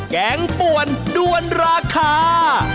แกงป่วนด้วนราคา